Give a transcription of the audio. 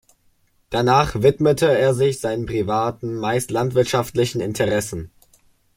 Danach widmete er sich seinen privaten, meist landwirtschaftlichen, Interessen.